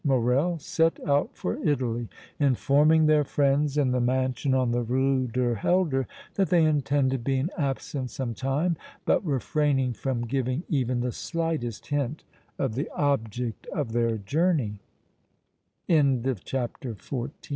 Morrel set out for Italy, informing their friends in the mansion on the Rue du Helder that they intended being absent some time, but refraining from giving even the slightest hint of the object of their journey. CHAPTER XV. AN UNEXPECTED MEETING.